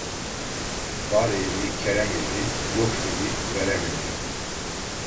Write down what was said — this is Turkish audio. Var evi kerem evi, yok evi verem evi.